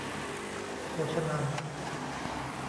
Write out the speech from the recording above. โภชะนัง